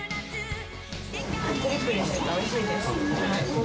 ぷりぷりしてておいしいです。